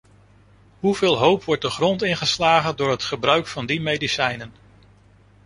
Hoeveel hoop wordt de grond in geslagen door het gebruik van die medicijnen?